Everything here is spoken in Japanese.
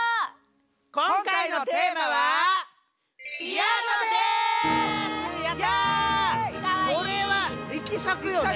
今回のテーマはイエイ！